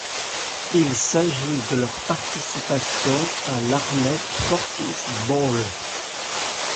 Il s'agit de leur participation à l'Armed Forces Bowl.